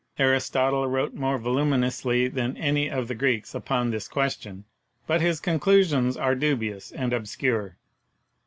Aristotle wrote more volumi nously than any of the Greeks upon this question, but his conclusions are dubious and obscure.